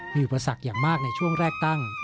มีอุปสรรคอย่างมากในช่วงแรกตั้ง